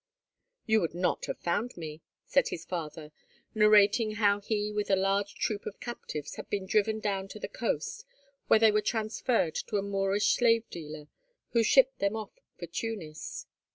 "You would not have found me," said his father, narrating how he with a large troop of captives had been driven down to the coast; where they were transferred to a Moorish slave dealer, who shipped them off for Tunis.